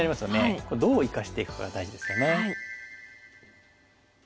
これどう生かしていくかが大事ですよね。